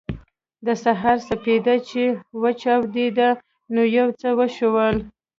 د سهار سپېدې چې وچاودېدې نو یو څه وشول